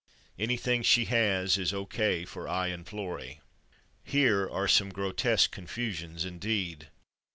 Anything she has is O. K. for /I/ and Florrie. Here are some grotesque confusions, indeed.